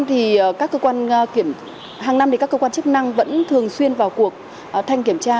hàng năm thì các cơ quan chức năng vẫn thường xuyên vào cuộc thanh kiểm tra